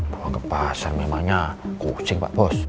bawang ke pasar memangnya kucing pak bos